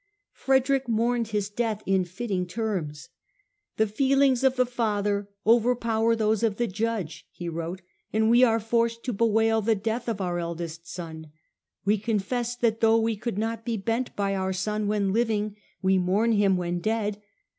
Frederick mourned his death in fitting terms. " The feelings of the father overpower those of the Judge," he wrote, " and we are forced to bewail the death of our eldest son. We confess that though we could not be bent by our son when living, we mourn him when dead.